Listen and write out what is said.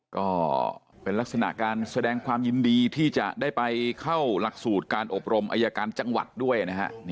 ก็เป็นลักษณะการแสดงความยินดีที่จะได้ไปเข้าหลักสูตรการอบรมอายการจังหวัดด้วยนะฮะ